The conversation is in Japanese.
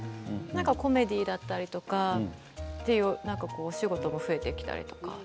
コメディーだったりとかお仕事も増えたり。